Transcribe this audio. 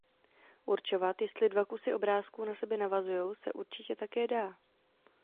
Určovat, jestli dva kusy obrázků na sebe navazujou se určitě také dá.